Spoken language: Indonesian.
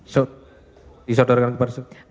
so disodorkan kepada saudara